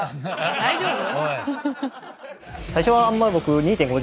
大丈夫？